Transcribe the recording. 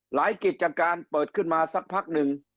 กิจการเปิดขึ้นมาสักพักหนึ่ง